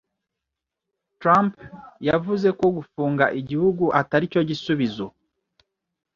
Trump yavuze ko gufunga igihugu ataricyo gisubizo